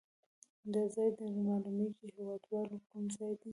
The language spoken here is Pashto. دا ځای در معلومیږي هیواد والو کوم ځای ده؟